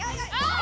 あ！